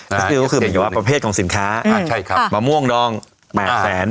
ซิลก็คือหมายถึงว่าประเภทของสินค้าอ่าใช่ครับมะม่วงดองแปดแสน